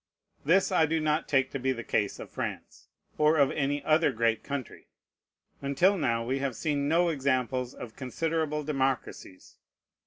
This I do not take to be the case of France, or of any other great country. Until now, we have seen no examples of considerable democracies.